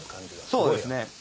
そうですね。